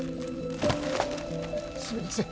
すみません